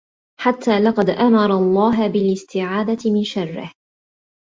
حَتَّى لَقَدْ أَمَرَ اللَّهُ بِالِاسْتِعَاذَةِ مِنْ شَرِّهِ